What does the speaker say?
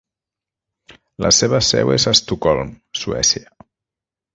La seva seu és a Estocolm, Suècia.